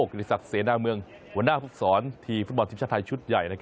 กริจสัตว์เสนาเมืองวันน่าฟุตสอนที่ฟุตบอลทีมชาติไทยชุดใหญ่